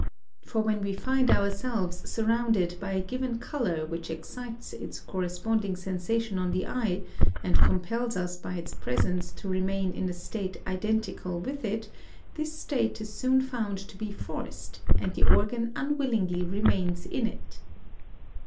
For when we find ourselves surrounded by a given colour which excites its corresponding sensation on the eye, and compels us by its presence to remain in a state identical with it, this state is soon found to be forced, and the organ unwillingly remains in it.